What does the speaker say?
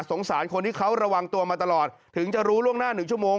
สารคนที่เขาระวังตัวมาตลอดถึงจะรู้ล่วงหน้า๑ชั่วโมง